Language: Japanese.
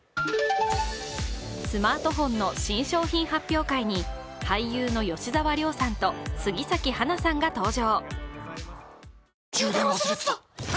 スマートフォンの新商品発表会に俳優の吉沢亮さんと杉咲花さんが登場。